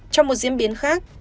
trong một diễn biến khác